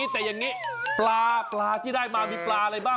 แต่อย่างนี้ปลาปลาที่ได้มามีปลาอะไรบ้าง